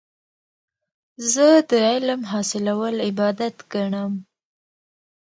زه د علم حاصلول عبادت ګڼم.